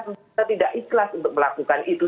kita tidak ikhlas untuk melakukan itu